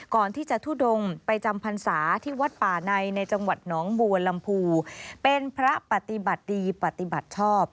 ก่อนที่จะทุดงไปจำพันธุ์ศาสตร์ที่วัดป่าในในจังหวัดหนองบัวลำภูเป็นพระปฏิบัติดีปฏิบัติชอบ